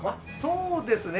そうですね。